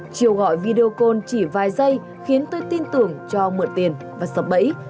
chiều gọi video call chỉ vài giây khiến tôi tin tưởng cho mượn tiền và sập bẫy